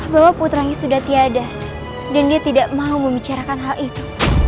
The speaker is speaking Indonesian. nyerahnya harus menotok raden dengan juru centang ini